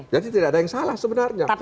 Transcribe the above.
jadi tidak ada yang salah sebenarnya